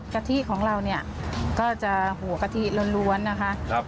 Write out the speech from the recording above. กะทิของเราก็จะหัวกะทิร้อนนะคะ